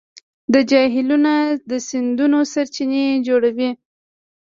دا جهیلونه د سیندونو سرچینې جوړوي.